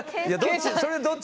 それはどっち。